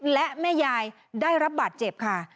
และแม่ยายได้รับบาดเจ็บค่ะ